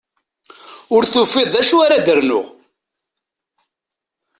Ur tufiḍ d acu ara d-rnuɣ.